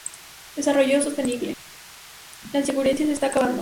La insurgencia se está acabando.